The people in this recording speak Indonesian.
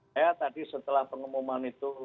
saya tadi setelah pengumuman itu